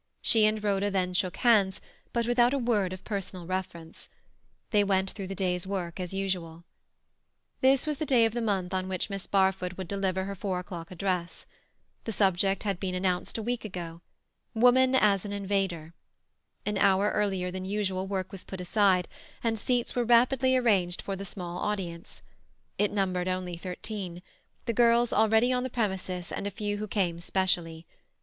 She and Rhoda then shook hands, but without a word of personal reference. They went through the day's work as usual. This was the day of the month on which Miss Barfoot would deliver her four o'clock address. The subject had been announced a week ago: "Woman as an Invader." An hour earlier than usual work was put aside, and seats were rapidly arranged for the small audience; it numbered only thirteen—the girls already on the premises and a few who came specially.